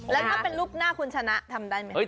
แล้วถ้าเป็นรูปหน้าคุณชนะทำได้ไหม